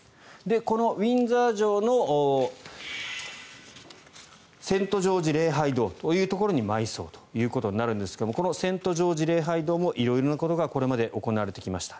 このウィンザー城のセント・ジョージ礼拝堂に埋葬ということになるんですがこのセント・ジョージ礼拝堂も色々なことがこれまで行われてきました。